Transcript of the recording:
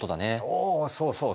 おそうそう！